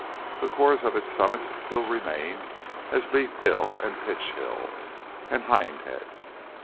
The cores of its summits still remain as Leith Hill, and Pitch Hill, and Hindhead.